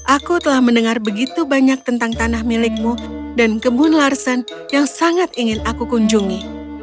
aku telah mendengar begitu banyak tentang tanah milikmu dan kebun larsen yang sangat ingin aku kunjungi